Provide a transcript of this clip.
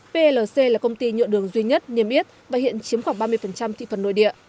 plc là công ty nhựa đường duy nhất niềm yết và hiện chiếm khoảng ba mươi thị phần nội địa